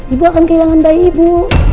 ibu akan kehilangan bayi ibu